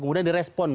kemudian di respon